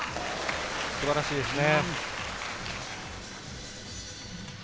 素晴らしいですね。